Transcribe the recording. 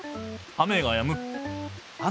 雨がやむ。